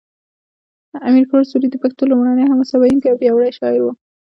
امیر کروړ سوري د پښتو لومړنی حماسه ویونکی او پیاوړی شاعر و